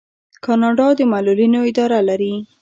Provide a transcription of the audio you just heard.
کاناډا د معلولینو اداره لري.